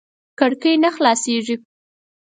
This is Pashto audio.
کړکۍ نه خلاصېږي .